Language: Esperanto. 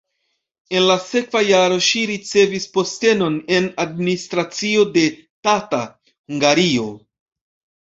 En la sekva jaro ŝi ricevis postenon en administracio de Tata (Hungario).